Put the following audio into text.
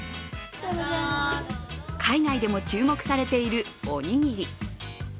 海外でも注目されている、おにぎり。